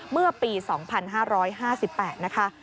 เมื่อปี๒๕๕๘นะคะ